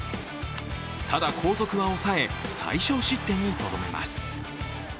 ただ、後続は抑え、最少失点にとどめます。